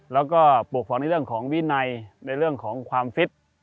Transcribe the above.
แล้วก็ปลูกฝังในเรื่องของวินัยในเรื่องของความฟิต